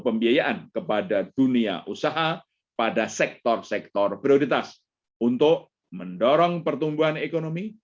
pembiayaan kepada dunia usaha pada sektor sektor prioritas untuk mendorong pertumbuhan ekonomi